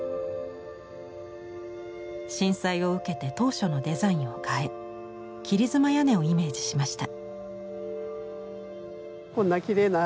震災を受けて当初のデザインを変え切り妻屋根をイメージしました。